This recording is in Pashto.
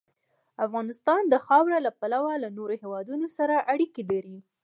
افغانستان د خاوره له پلوه له نورو هېوادونو سره اړیکې لري.